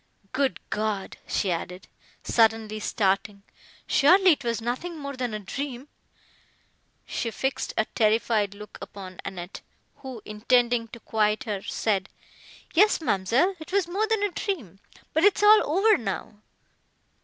Good God!" she added, suddenly starting—"surely it was nothing more than a dream!" She fixed a terrified look upon Annette, who, intending to quiet her, said "Yes, ma'amselle, it was more than a dream, but it is all over now."